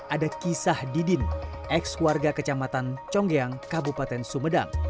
ada kisah didin ex keluarga kecamatan conggeang kabupaten sumedang